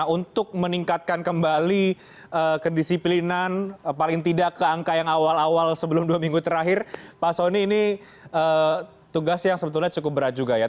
untuk meningkatkan kembali kedisiplinan paling tidak ke angka yang awal awal sebelum dua minggu terakhir pak soni ini tugas yang sebetulnya cukup berat juga ya